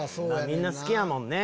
みんな好きやもんね。